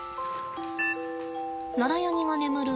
ナラヤニが眠る